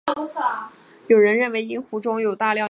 有人认为因湖中有大量野生鳖而命名。